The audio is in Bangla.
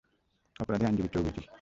অপরাধী আইনজীবী চৌবে জি।